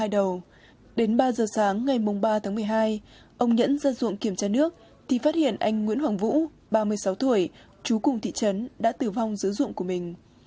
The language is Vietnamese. đến ba giờ sáng ngày ba tháng một mươi hai ông nhẫn ra ruộng kiểm tra nước thì phát hiện anh nguyễn hoàng vũ ba mươi sáu tuổi chú cùng thị trấn đã tử vong giữa ruộng của mình